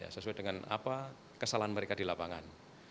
sesuai dengan apa kesalahan mereka di lapangan